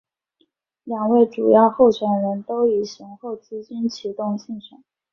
两位主要候选人都以雄厚资金启动竞选。